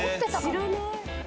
知らない。